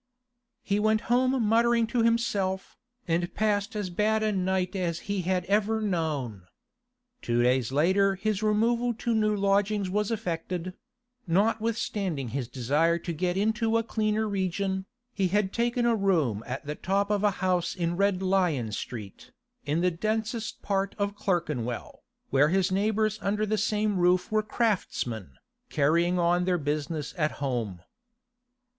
He went home muttering to himself, and passed as bad a night as he had ever known. Two days later his removal to new lodgings was effected; notwithstanding his desire to get into a cleaner region, he had taken a room at the top of a house in Red Lion Street, in the densest part of Clerkenwell, where his neighbours under the same roof were craftsmen, carrying on their business at home.